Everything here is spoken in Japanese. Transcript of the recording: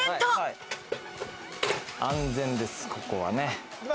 安全です、ここはね。